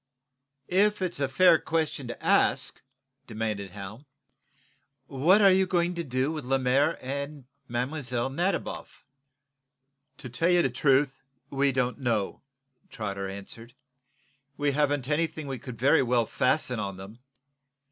"If it's a fair question to ask," demanded Hal, "what are you going to do with Lemaire and Mlle. Nadiboff?" "To tell you the truth, we don't know," Trotter answered. "We haven't anything we could very well fasten on them.